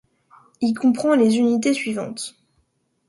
Il comprend les unités suivantes.